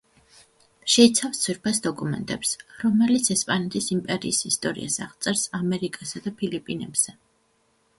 შეიცავს ძვირფას დოკუმენტებს, რომელიც ესპანეთის იმპერიის ისტორიას აღწერს ამერიკასა და ფილიპინებზე.